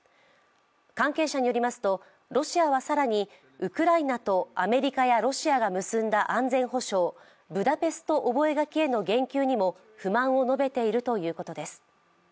関係者によりますと、ロシアは更にウクライナとアメリカやロシアが結んだ安全保障ブダペスト覚書への言及にも不満を述べているということです。